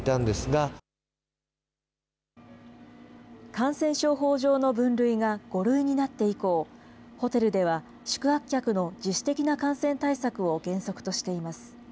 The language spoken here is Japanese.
感染症法上の分類が５類になって以降、ホテルでは宿泊客の自主的な感染対策を原則としています。